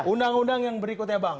undang undang yang berikutnya bang